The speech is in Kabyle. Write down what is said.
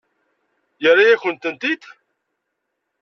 Yerra-yakent-t-id?